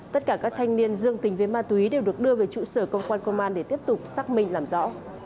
tất cả các thanh niên dương tính với ma túy đều được đưa về trụ sở công quan công an để tiếp tục xác minh làm rõ